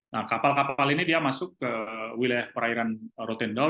nah kapal kapal ini dia masuk ke wilayah perairan rotendol